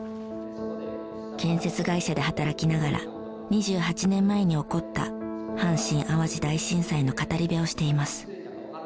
建設会社で働きながら２８年前に起こった阪神・淡路大震災の語り部をしています。